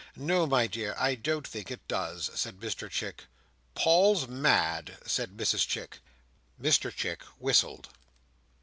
"No, my dear, I don't think it does," said Mr Chick. "Paul's mad!" said Mrs Chick. Mr Chick whistled.